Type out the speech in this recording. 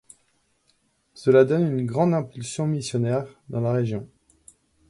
Cela donne une grande impulsion missionnaire dans la région.